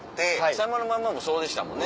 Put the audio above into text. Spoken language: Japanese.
『さんまのまんま』もそうでしたもんね